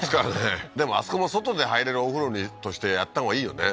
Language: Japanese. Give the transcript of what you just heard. でも、あそこも外で入れるお風呂としてやったほうがいいよね。